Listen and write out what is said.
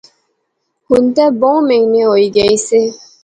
ہن تہ بہوں مہینے ہوئی گئی سے